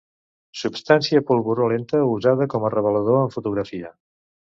Substància pulverulenta usada com a revelador en fotografia.